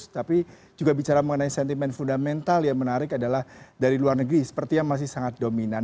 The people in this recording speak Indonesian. tapi juga bicara mengenai sentimen fundamental yang menarik adalah dari luar negeri sepertinya masih sangat dominan